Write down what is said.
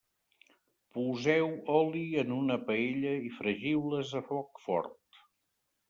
Poseu oli en una paella i fregiu-les a foc fort.